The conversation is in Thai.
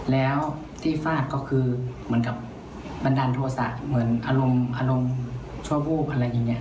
แล้วที่ฟาดก็คือเหมือนกับบันดาลโทษะเหมือนอารมณ์อารมณ์ชั่ววูบอะไรอย่างนี้